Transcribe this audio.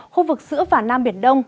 khu vực giữa và nam biển đông